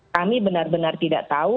kami benar benar tidak tahu